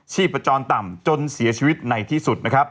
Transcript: ชี้ประจอดต่ำจนเสียชีวิตในที่สุด